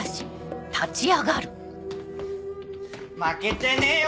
負けてねえよ！